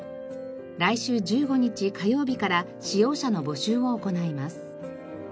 来週１５日火曜日から使用者の募集を行います。